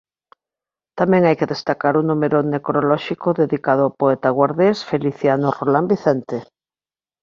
Tamén hai que destacar o número necrolóxico dedicado ao poeta guardés Feliciano Rolán Vicente.